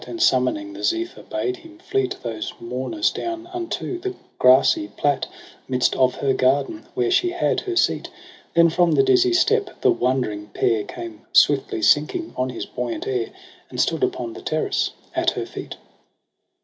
And summoning the Zephyr bade him fleet Those mourners down unto the grassy plat 'Midst of her garden, where she had her seat. Then from the dizzy steep the wondering pair Came swiftly sinking on his buoyant air. And stood upon the terrace at her feet.